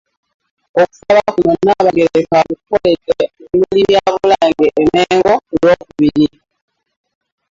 Okusaba kuno Nnaabagereka akukoledde mu bimuli bya Bulange e Mmengo ku lw'okubiri.